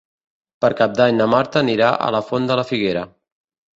Per Cap d'Any na Marta anirà a la Font de la Figuera.